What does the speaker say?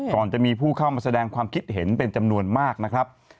ก่อนจะมีผู้เข้ามาแสดงความคิดเห็นเป็นจำนวนมากนะครับ